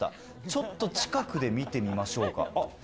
ちょっと近くで見てみましょうか。